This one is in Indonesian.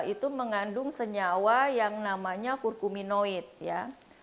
itu mengandung senyawa yang namanya kurkuminoid ya